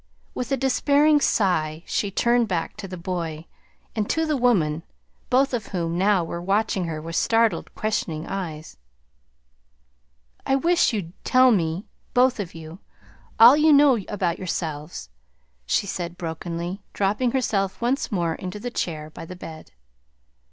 With a despairing sigh she turned back to the boy and to the woman, both of whom now were watching her with startled, questioning eyes. "I wish you'd tell me both of you all you know about yourselves," she said brokenly, dropping herself once more into the chair by the bed.